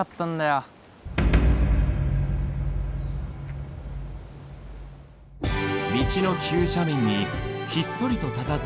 道の急斜面にひっそりとたたずむ巨大な岩。